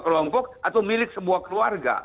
kelompok atau milik semua keluarga